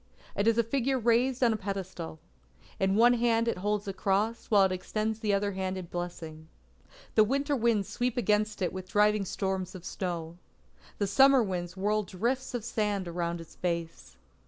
It is a figure raised on a pedestal. In one hand it holds a cross, while it extends the other hand in blessing. The winter winds sweep against it with driving storms of snow. The summer winds whirl drifts of sand around its base.